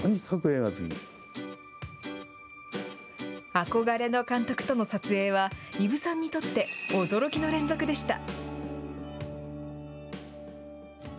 憧れの監督との撮影は、伊武さんにとって驚きの連続でした。